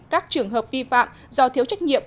các trường hợp vi phạm do thiếu trách nhiệm